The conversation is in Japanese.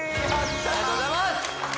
ありがとうございます。